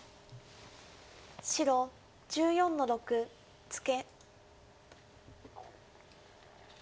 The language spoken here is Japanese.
白１４の六ツケ。